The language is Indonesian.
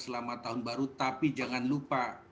selama tahun baru tapi jangan lupa